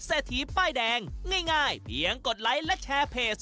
เศรษฐีป้ายแดงง่ายเพียงกดไลค์และแชร์เพจ